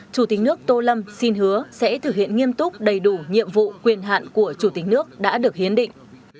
chủ tịch nước tô lâm xin hứa sẽ thực hiện nghiêm túc đầy đủ nhiệm vụ quyền hạn của chủ tịch nước đã được hiến định